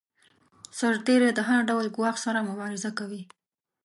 سرتیری د هر ډول ګواښ سره مبارزه کوي.